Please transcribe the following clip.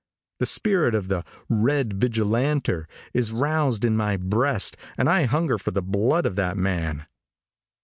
The spirit of the "Red Vigilanter" is roused in my breast and I hunger for the blood of that man.